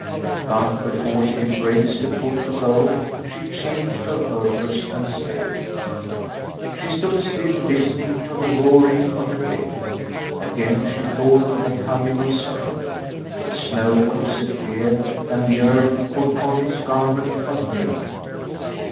But before she had raised a foot to go, she changed her purpose and stayed. She stood still listening to the roaring of the gale. Again she thought of the coming of spring. The snow would disappear and the earth put on its garment of green.